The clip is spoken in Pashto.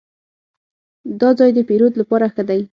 دا ځای د پیرود لپاره ښه دی.